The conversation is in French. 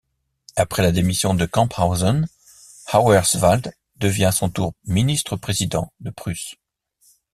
Après la démission de Camphausen, Auerswald devient à son tour ministre-président de Prusse.